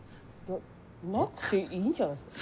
なくていいんじゃないですか。